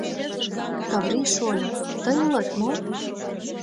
— Каврий шольо, тый улат мо?